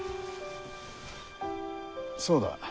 そうだ。